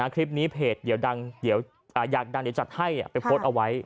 คลิปนี้เพจอยากดังเดี๋ยวจัดให้ไปโพสต์เอาไว้